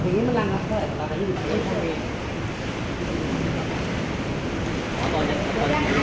เพราะเนี่ยแข็ง